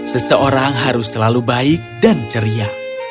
seseorang harus selalu baik dan ceria